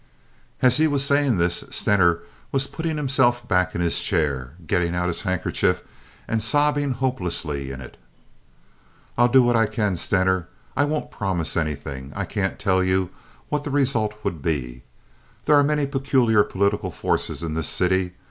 As he was saying this Stener was putting himself back in his chair, getting out his handkerchief, and sobbing hopelessly in it. "I'll do what I can, Stener. I won't promise anything. I can't tell you what the result will be. There are many peculiar political forces in this city.